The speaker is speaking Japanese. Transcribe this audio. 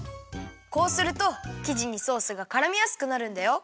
こうするときじにソースがからみやすくなるんだよ。